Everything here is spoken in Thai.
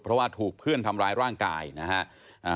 เพราะว่าถูกเพื่อนทำร้ายร่างกายนะฮะ